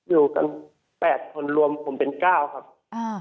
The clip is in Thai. อยู่กัน๘คนรวมผมเป็น๙ครับ